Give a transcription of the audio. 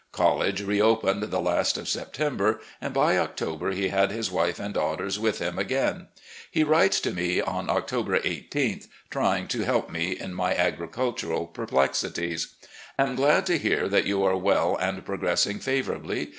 College reopened the last of September, and by October he had his wife and daughters with him again. He writes to me on October i8th, tr 3 dng to help me in my agricultural perplexities: "... Am glad to hear that you are well and pro gressing favourably.